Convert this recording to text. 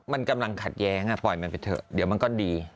มันกำลังขัดแย้งปล่อยมันไปเถอะเดี๋ยวมันก็ดี